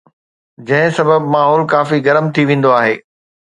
جنهن سبب ماحول ڪافي گرم ٿي ويندو آهي